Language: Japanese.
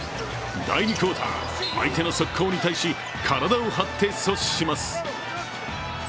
第２クオーター、相手の速攻に対し体を張って阻止します。